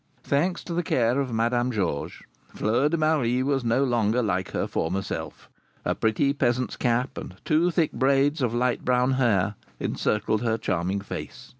Thanks to the care of Madame Georges, Fleur de Marie was no longer like her former self. A pretty peasant's cap, and two thick braids of light brown hair, encircled her charming face.